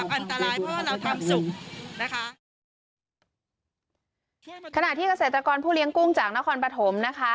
ขณะที่เกษตรกรผู้เลี้ยงกุ้งจากนครปฐมนะคะ